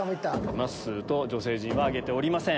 まっすーと女性陣は挙げておりません。